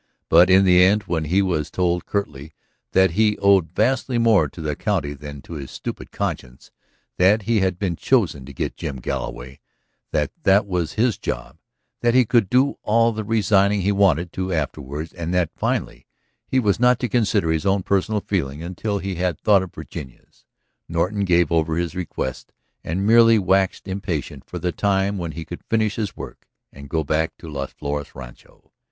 But in the end when he was told curtly that he owed vastly more to the county than to his stupid conscience, that he had been chosen to get Jim Galloway, that that was his job, that he could do all the resigning he wanted to afterward, and that finally he was not to consider his own personal feelings until he had thought of Virginia's, Norton gave over his regrets and merely waxed impatient for the time when he could finish his work and go back to Las Flores rancho.